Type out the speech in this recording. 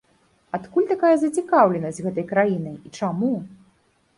Адкуль такая зацікаўленасць гэтай краінай і чаму?